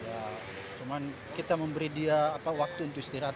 tidak ada cuma kita memberi dia waktu untuk istirahat